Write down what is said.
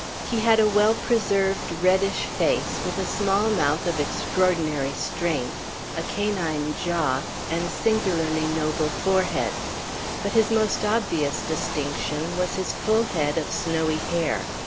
He had a well preserved reddish face, with a small mouth of extraordinary strength, a canine jaw, and singularly noble forehead; but his most obvious distinction was his full head of snowy hair.